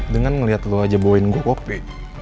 dengan melihat lo aja bawain gue kopi